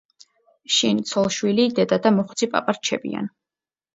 შინ ცოლ-შვილი, დედა და მოხუცი პაპა რჩებიან.